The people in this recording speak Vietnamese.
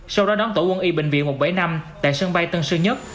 sau đó đón tổ quân y bệnh viện một trăm bảy mươi năm tại sân bay tân sơn nhất